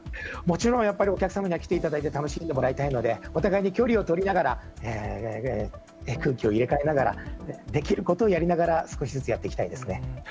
もちろんやっぱり、お客様には来ていただいて、楽しんでいただきたいので、お互いに距離を取りながら、空気を入れ換えながら、できることをやりながら、少しずつやっていきたいですね。